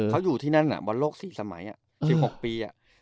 เขาอยู่ที่นั่นบอลโลก๔สมัย๑๖ปี